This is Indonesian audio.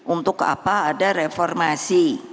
untuk apa ada reformasi